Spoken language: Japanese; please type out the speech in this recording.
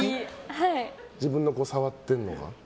自分で触ってるのが？